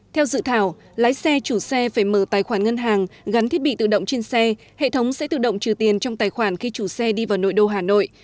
theo dự thảo lái xe chủ xe phải mở tài khoản ngân hàng gắn thiết bị tự động trên xe hệ thống sẽ tự động trừ tiền trong tài khoản khi chủ xe đi vào nội đô hà nội